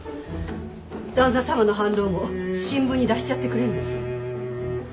旦那様の反論を新聞に出しちゃってくれんね。